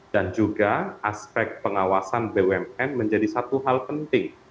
dan juga aspek pengawasan bumn menjadi satu hal penting